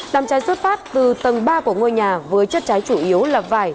đám cháy xuất phát từ tầng ba của ngôi nhà với chất cháy chủ yếu là vải